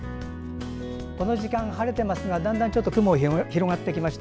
この時間、晴れていますがだんだん雲が広がってきました。